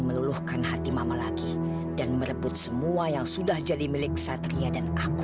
meluluhkan hati mama lagi dan merebut semua yang sudah jadi milik satria dan aku